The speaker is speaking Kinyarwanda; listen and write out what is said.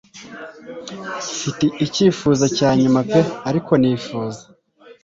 Mfite icyifuzo cya nyuma pe ariko nifuza